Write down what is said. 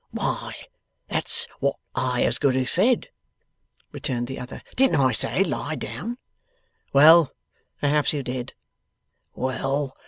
'Why, that's what I as good as said,' returned the other. 'Didn't I say lie down?' 'Well, perhaps you did.